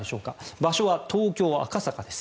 場所は東京・赤坂です。